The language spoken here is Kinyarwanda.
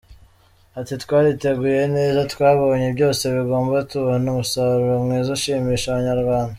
Ati: “Twariteguye neza twabonye byose bigomba tubona umusaruro mwiza ushimisha Abanyarwanda”.